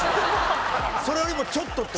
それよりもちょっとって事ね？